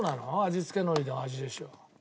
味付け海苔の味でしょ。